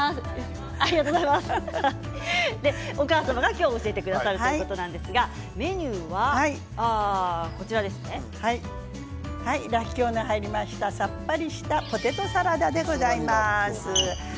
お母様が今日、教えてくださるということなんですがメニューはらっきょうが入りましたさっぱりしたポテトサラダでございます。